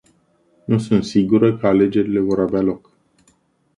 Nu sunt sigură că alegerile vor avea loc.